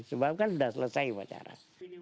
sebab kan sudah selesai upacara